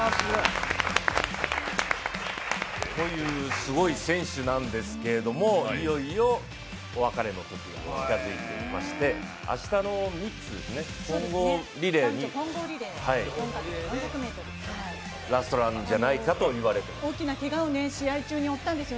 というすごい選手なんですけれども、いよいよお別れの時が近づいてきまして明日の男女混合リレーがラストランじゃないかと言われています。